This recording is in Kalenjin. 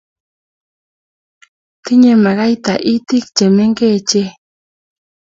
Tinyei makaita itik che mengecheen